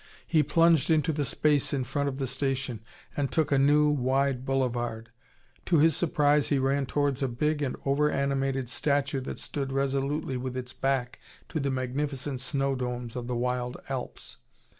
He plunged into the space in front of the station, and took a new, wide boulevard. To his surprise he ran towards a big and over animated statue that stood resolutely with its back to the magnificent snow domes of the wild Alps.